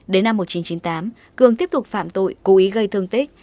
đến năm một nghìn chín trăm chín mươi tám cường tiếp tục phạm tội cố ý gây thương tích